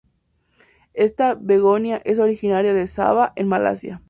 Esta "begonia" es originaria de Sabah, en Malasia.